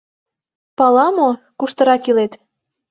— Пала мо, куштырак илет?